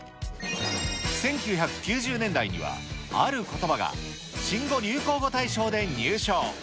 １９９０年代には、あることばが新語・流行語大賞で入賞。